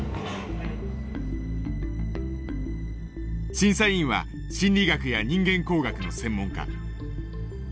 審査委員は心理学や人間工学の専門家。